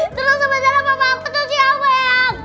terus sebenernya mama aku tuh siapa ayang